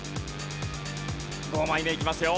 ５枚目いきますよ。